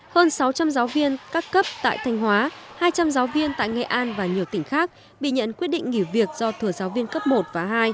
hơn sáu trăm linh giáo viên các cấp tại thanh hóa hai trăm linh giáo viên tại nghệ an và nhiều tỉnh khác bị nhận quyết định nghỉ việc do thừa giáo viên cấp một và hai